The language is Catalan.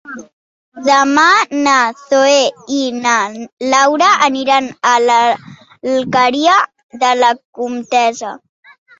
Demà na Zoè i na Laura aniran a l'Alqueria de la Comtessa.